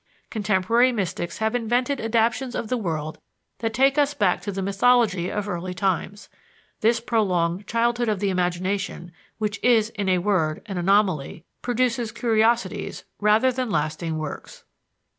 Contemporary mystics have invented adaptations of the world that take us back to the mythology of early times. This prolonged childhood of the imagination, which is, in a word, an anomaly, produces curiosities rather than lasting works.